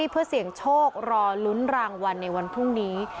เพื่อเสี่ยงโชครอลุ้นรางวัลในวันพรุ่งนี้